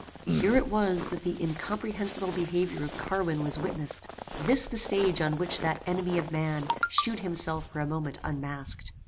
Here it was that the incomprehensible behaviour of Carwin was witnessed: this the stage on which that enemy of man shewed himself for a moment unmasked.